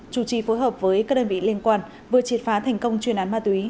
chủ trì phối hợp với các đơn vị liên quan vừa triệt phá thành công chuyên án ma túy